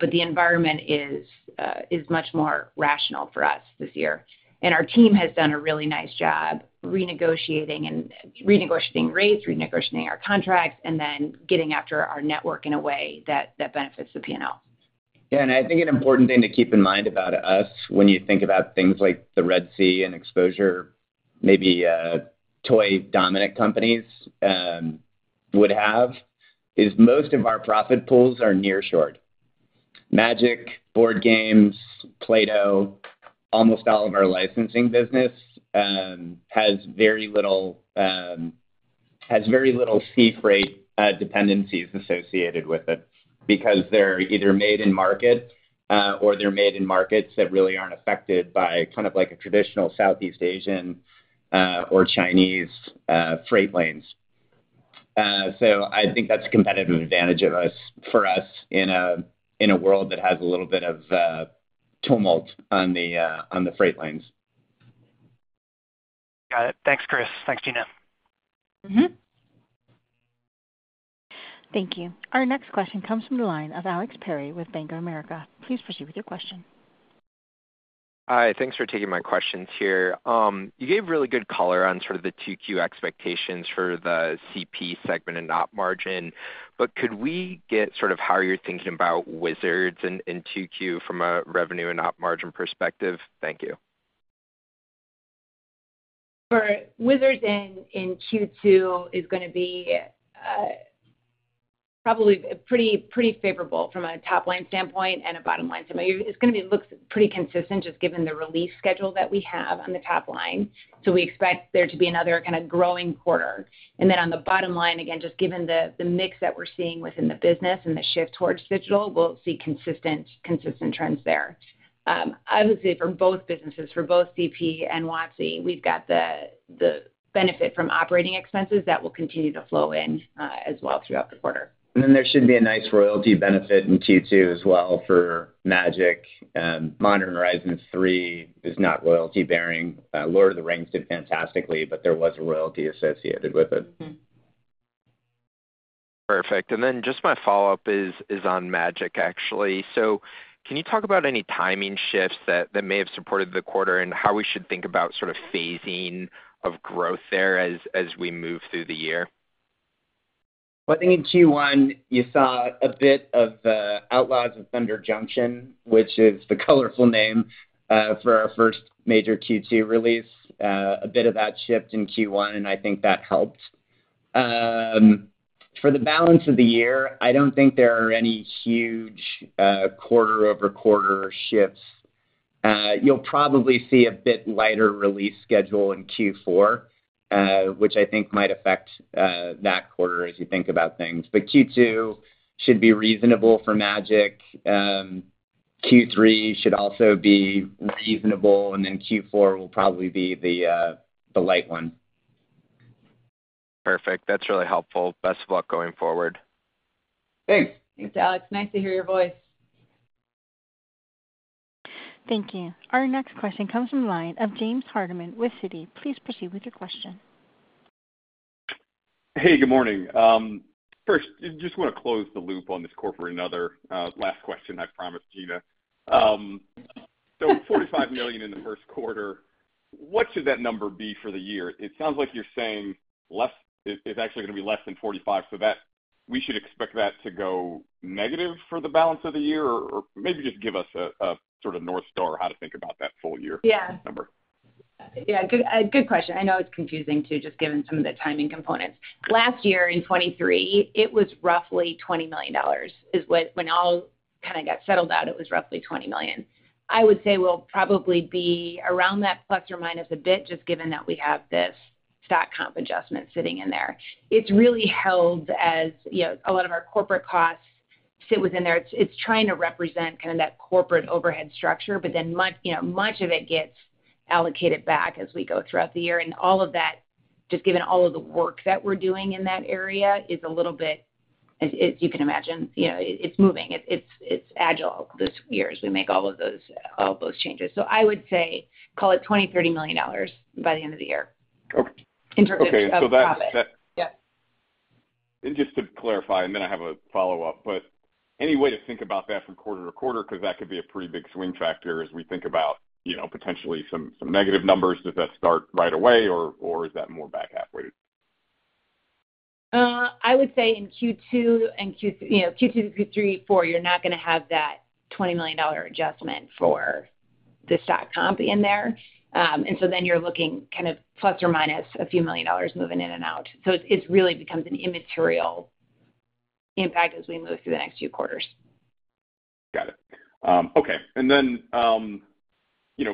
But the environment is much more rational for us this year. Our team has done a really nice job renegotiating and renegotiating rates, renegotiating our contracts, and then getting after our network in a way that benefits the P&L. Yeah. And I think an important thing to keep in mind about us when you think about things like the Red Sea and exposure maybe toy-dominant companies would have is most of our profit pools are nearshored. Magic, board games, Play-Doh, almost all of our licensing business has very little sea freight dependencies associated with it because they're either made in market or they're made in markets that really aren't affected by kind of like a traditional Southeast Asian or Chinese freight lanes. So I think that's a competitive advantage for us in a world that has a little bit of tumult on the freight lanes. Got it. Thanks, Chris. Thanks, Gina. Thank you. Our next question comes from the line of Alex Perry with Bank of America. Please proceed with your question. Hi. Thanks for taking my questions here. You gave really good color on sort of the Q2 expectations for the CP segment and op margin. But could we get sort of how you're thinking about Wizards in Q2 from a revenue and op margin perspective? Thank you. For Wizards in Q2, it's going to be probably pretty favorable from a top-line standpoint and a bottom-line standpoint. It's going to look pretty consistent just given the release schedule that we have on the top line. So we expect there to be another kind of growing quarter. And then on the bottom line, again, just given the mix that we're seeing within the business and the shift towards digital, we'll see consistent trends there. Obviously, for both businesses, for both CP and WotC, we've got the benefit from operating expenses that will continue to flow in as well throughout the quarter. And then there should be a nice royalty benefit in Q2 as well for Magic. Modern Horizons 3 is not royalty-bearing. Lord of the Rings did fantastically, but there was a royalty associated with it. Perfect. And then just my follow-up is on Magic, actually. So can you talk about any timing shifts that may have supported the quarter and how we should think about sort of phasing of growth there as we move through the year? Well, I think in Q1, you saw a bit of the Outlaws of Thunder Junction, which is the colorful name for our first major Q2 release. A bit of that shift in Q1, and I think that helped. For the balance of the year, I don't think there are any huge quarter-over-quarter shifts. You'll probably see a bit lighter release schedule in Q4, which I think might affect that quarter as you think about things. But Q2 should be reasonable for Magic. Q3 should also be reasonable and then Q4 will probably be the light one. Perfect. That's really helpful. Best of luck going forward. Thanks. Thanks, Alex. Nice to hear your voice. Thank you. Our next question comes from the line of James Hardiman with Citi. Please proceed with your question. Hey. Good morning. First, just want to close the loop on this Corporate and Other last question I promised, Gina. So $45 million in the first quarter. What should that number be for the year? It sounds like you're saying it's actually going to be less than $45 million for that. So we should expect that to go negative for the balance of the year or maybe just give us a sort of north star on how to think about that full-year number. Yeah. Good question. I know it's confusing too just given some of the timing components. Last year in 2023, it was roughly $20 million is when all kind of got settled out. It was roughly $20 million. I would say we'll probably be around that plus or minus a bit just given that we have this stock comp adjustment sitting in there. It's really held as a lot of our corporate costs sit within there. It's trying to represent kind of that corporate overhead structure, but then much of it gets allocated back as we go throughout the year. And all of that, just given all of the work that we're doing in that area, is a little bit as you can imagine, it's moving. It's agile this year as we make all of those changes. I would say call it $20 million-$30 million by the end of the year in terms of stock comp. Okay. So that's. And just to clarify, and then I have a follow-up, but any way to think about that from quarter-to-quarter because that could be a pretty big swing factor as we think about potentially some negative numbers? Does that start right away, or is that more back halfway? I would say in Q2 to Q3, Q4, you're not going to have that $20 million adjustment for the stock comp in there. And so then you're looking kind of plus or minus a few million dollars moving in and out. So it really becomes an immaterial impact as we move through the next few quarters. Got it. Okay. And then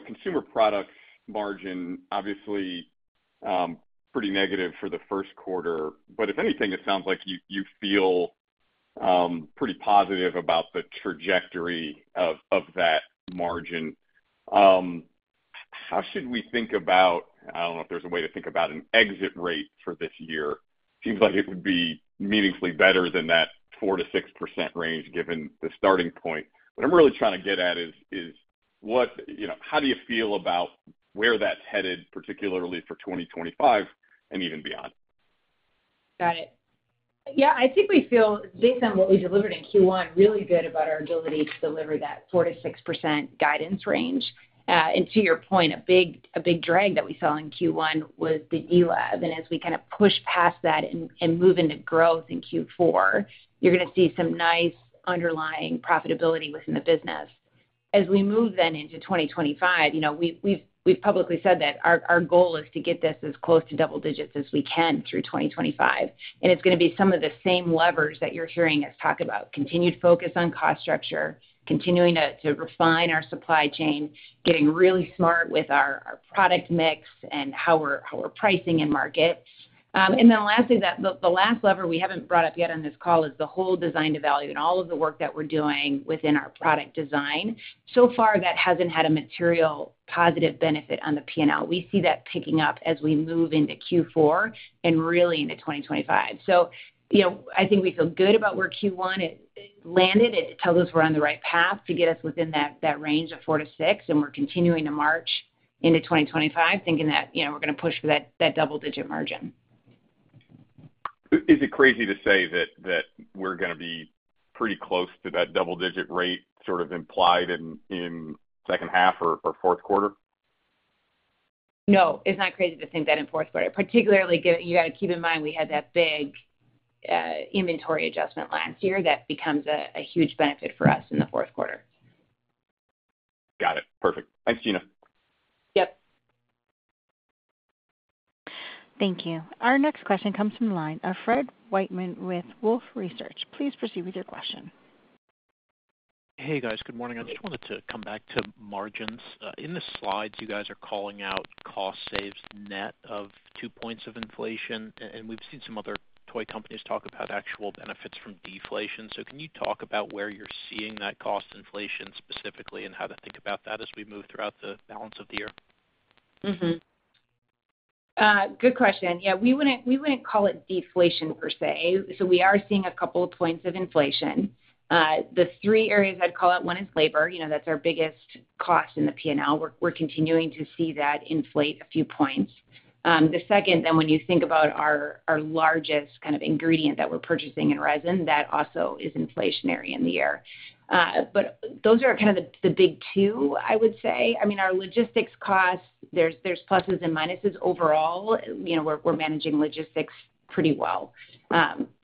consumer product margin, obviously pretty negative for the first quarter. But if anything, it sounds like you feel pretty positive about the trajectory of that margin. How should we think about I don't know if there's a way to think about an exit rate for this year. It seems like it would be meaningfully better than that 4%-6% range given the starting point. What I'm really trying to get at is how do you feel about where that's headed, particularly for 2025 and even beyond? Got it. Yeah. I think we feel, based on what we delivered in Q1, really good about our ability to deliver that 4%-6% guidance range. And to your point, a big drag that we saw in Q1 was the eOne. And as we kind of push past that and move into growth in Q4, you're going to see some nice underlying profitability within the business. As we move then into 2025, we've publicly said that our goal is to get this as close to double digits as we can through 2025. And it's going to be some of the same levers that you're hearing us talk about: continued focus on cost structure, continuing to refine our supply chain, getting really smart with our product mix and how we're pricing in market. And then lastly, the last lever we haven't brought up yet on this call is the whole design-to-value and all of the work that we're doing within our product design. So far, that hasn't had a material positive benefit on the P&L. We see that picking up as we move into Q4 and really into 2025. So I think we feel good about where Q1 landed. It tells us we're on the right path to get us within that range of 4%-6%. And we're continuing to march into 2025 thinking that we're going to push for that double-digit margin. Is it crazy to say that we're going to be pretty close to that double-digit rate sort of implied in second half or fourth quarter? No. It's not crazy to think that in fourth quarter, particularly given you got to keep in mind we had that big inventory adjustment last year that becomes a huge benefit for us in the fourth quarter. Got it. Perfect. Thanks, Gina. Yep. Thank you. Our next question comes from the line of Fred Wightman with Wolfe Research. Please proceed with your question. Hey, guys. Good morning. I just wanted to come back to margins. In the slides, you guys are calling out cost saves net of two points of inflation. We've seen some other toy companies talk about actual benefits from deflation. Can you talk about where you're seeing that cost inflation specifically and how to think about that as we move throughout the balance of the year? Good question. Yeah. We wouldn't call it deflation per se. So we are seeing a couple of points of inflation. The three areas I'd call it, one is labor. That's our biggest cost in the P&L. We're continuing to see that inflate a few points. The second, then when you think about our largest kind of ingredient that we're purchasing in resin, that also is inflationary in the year. But those are kind of the big two, I would say. I mean, our logistics costs, there's pluses and minuses. Overall, we're managing logistics pretty well.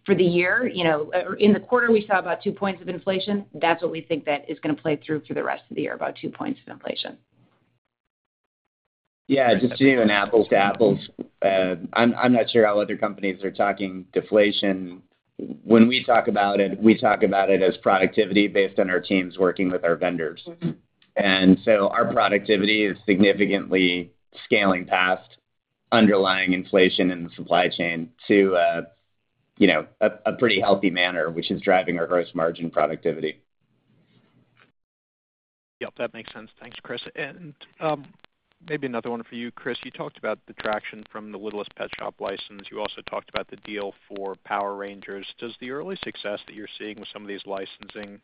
For the year, in the quarter, we saw about two points of inflation. That's what we think that is going to play through for the rest of the year, about two points of inflation. Yeah. Just to do an apples to apples, I'm not sure how other companies are talking deflation. When we talk about it, we talk about it as productivity based on our teams working with our vendors. And so our productivity is significantly scaling past underlying inflation in the supply chain to a pretty healthy manner, which is driving our gross margin productivity. Yep. That makes sense. Thanks, Chris. Maybe another one for you, Chris. You talked about the traction from the Littlest Pet Shop license. You also talked about the deal for Power Rangers. Does the early success that you're seeing with some of these licensing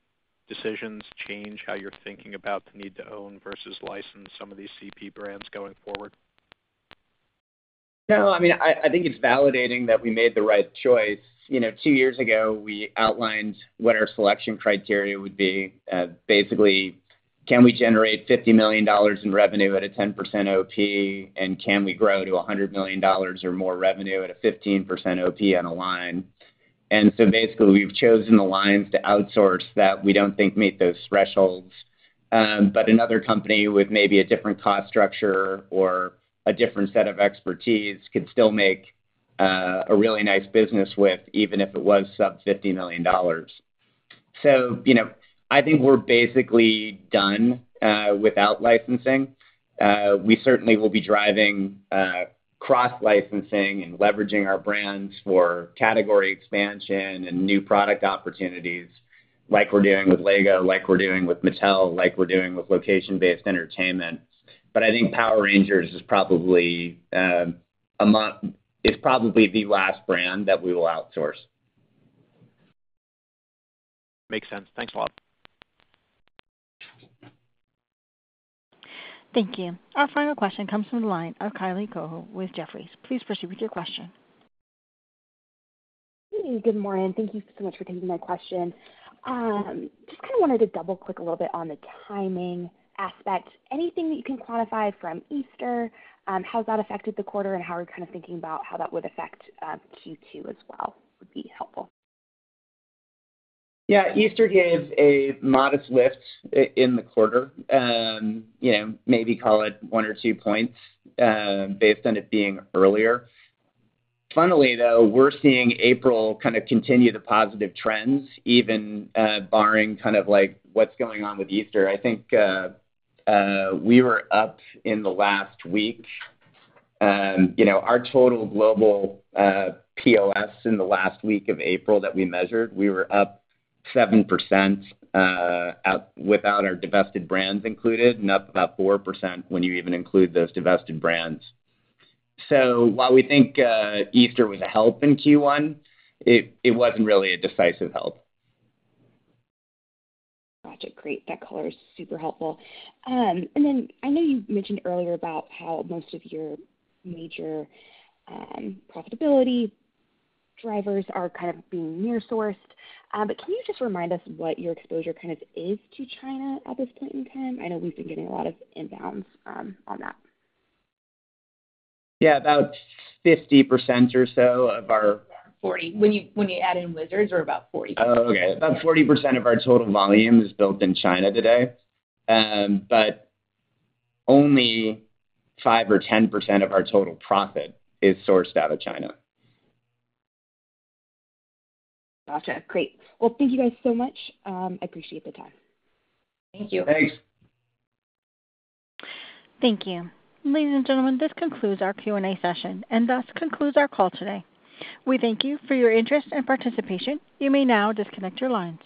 decisions change how you're thinking about the need to own versus license some of these CP brands going forward? No. I mean, I think it's validating that we made the right choice. Two years ago, we outlined what our selection criteria would be. Basically, can we generate $50 million in revenue at a 10% OP, and can we grow to $100 million or more revenue at a 15% OP on a line? And so basically, we've chosen the lines to outsource that we don't think meet those thresholds. But another company with maybe a different cost structure or a different set of expertise could still make a really nice business with even if it was sub-$50 million. So I think we're basically done without licensing. We certainly will be driving cross-licensing and leveraging our brands for category expansion and new product opportunities like we're doing with LEGO, like we're doing with Mattel, like we're doing with location-based entertainment. But I think Power Rangers is probably the last brand that we will outsource. Makes sense. Thanks a lot. Thank you. Our final question comes from the line of Kylie Cohu with Jefferies. Please proceed with your question. Good morning. Thank you so much for taking my question. Just kind of wanted to double-click a little bit on the timing aspect. Anything that you can quantify from Easter, how's that affected the quarter, and how are you kind of thinking about how that would affect Q2 as well would be helpful. Yeah. Easter gave a modest lift in the quarter. Maybe call it one or two points based on it being earlier. Funnily, though, we're seeing April kind of continue the positive trends, even barring kind of what's going on with Easter. I think we were up in the last week. Our total global POS in the last week of April that we measured, we were up 7% without our divested brands included and up about 4% when you even include those divested brands. So while we think Easter was a help in Q1, it wasn't really a decisive help. Got you. Great. That color is super helpful. And then I know you mentioned earlier about how most of your major profitability drivers are kind of being near-sourced. But can you just remind us what your exposure kind of is to China at this point in time? I know we've been getting a lot of inbounds on that. Yeah. About 50% or so of our. When you add in Wizards, we're about 40%. Oh, okay. About 40% of our total volume is built in China today. But only 5% or 10% of our total profit is sourced out of China. Got you. Great. Well, thank you guys so much. I appreciate the time. Thank you. Thanks. Thank you. Ladies and gentlemen, this concludes our Q&A session and thus concludes our call today. We thank you for your interest and participation. You may now disconnect your lines.